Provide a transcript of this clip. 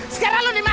sekarang lu dimana